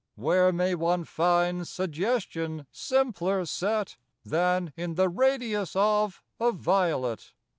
Where may one find suggestion simpler set Than in the radius of a violet?